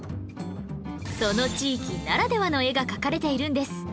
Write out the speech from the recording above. その地域ならではの絵が描かれているんです